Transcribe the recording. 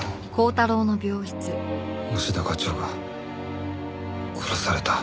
押田課長が殺された？